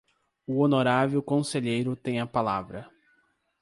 O honorável conselheiro tem a palavra.